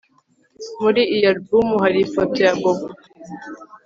Muri iyo alubumu hari ifoto ya Bobo